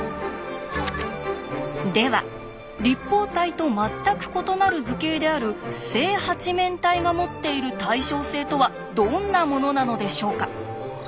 では立方体と全く異なる図形である正八面体が持っている対称性とはどんなものなのでしょうか？